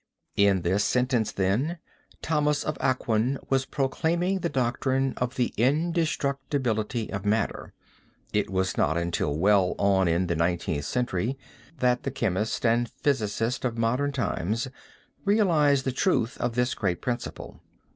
In this sentence, then, Thomas of Aquin was proclaiming the doctrine of the indestructibility of matter. It was not until well on in the nineteenth century that the chemists and physicists of modern times realized the truth of this great principle.